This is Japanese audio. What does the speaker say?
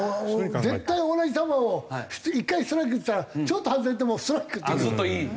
絶対同じ球を１回ストライクっつったらちょっと外れてもストライクって言うから。